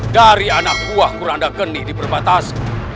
dari anak kuah kuranda geni diperbatasi